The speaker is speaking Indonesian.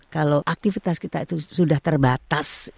kalau aktivitas kita itu sudah terbatas